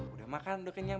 udah makan udah kenyang